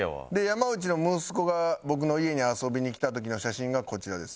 山内の息子が僕の家に遊びに来た時の写真がこちらです。